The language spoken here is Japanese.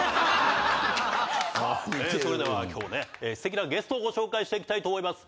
さあそれでは今日ね素敵なゲストをご紹介していきたいと思います。